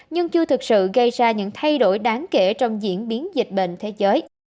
nhưng chưa thực sự gây ra những thay đổi đáng kể trong diễn biến dịch bệnh thế giới